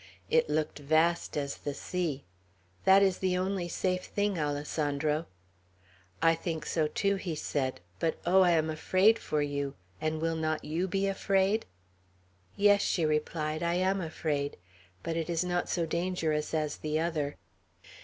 It looked vast as the sea. "That is the only safe thing, Alessandro." "I think so too," he said; "but, oh, I am afraid for you; and will not you be afraid?" "Yes," she replied, "I am afraid. But it is not so dangerous as the other."